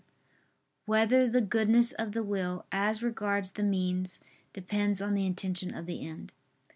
7] Whether the Goodness of the Will, As Regards the Means, Depends on the Intention of the End?